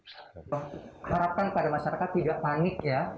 kita harapkan pada masyarakat tidak panik ya